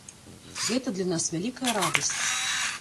Гэта для нас вялікая радасць!